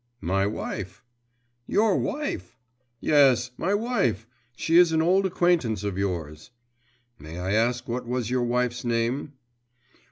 …' 'My wife.' 'Your wife!' 'Yes, my wife; she is an old acquaintance of yours.' 'May I ask what was your wife's name?